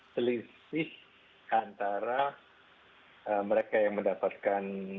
selisih antara mereka yang mendapatkan